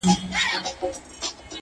راووزه جهاني په خلوتونو پوره نه سوه.!